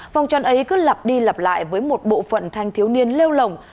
vòng tròn ấy cứ lặp đi lặp lại với một bộ phận thanh thiếu niên leo lỏng